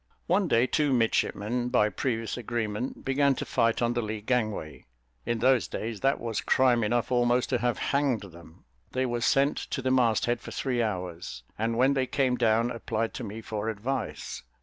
One day two midshipmen, by previous agreement, began to fight on the lee gangway. In those days, that was crime enough almost to have hanged them; they were sent to the mast head for three hours, and when they came down applied to me for advice.